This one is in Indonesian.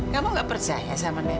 kamu gak percaya sama nenek